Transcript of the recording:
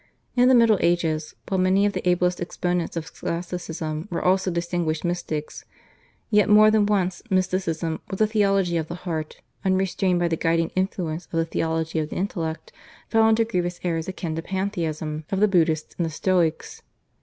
In the Middle Ages, while many of the ablest exponents of Scholasticism were also distinguished mystics, yet more than once Mysticism or the theology of the heart, unrestrained by the guiding influence of the theology of the intellect, fell into grievous errors akin to the Pantheism of the Buddhists and the Stoics.